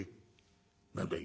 「何だい？